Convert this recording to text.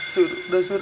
sur udah sur